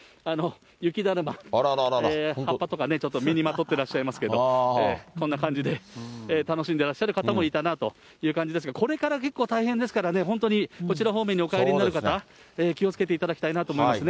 雪だるま、葉っぱとかね、ちょっと身にまとってらっしゃいますけど、こんな感じで、楽しんでらっしゃる方もいたなという感じですけれども、これから結構大変ですからね、本当に、こちら方面にお帰りになる方、気をつけていただきたいなと思いますね。